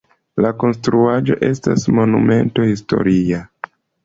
La konstruaĵo estas monumento historia.